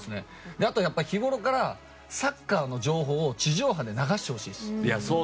あと、日ごろからサッカーの情報を地上波で流してほしいです。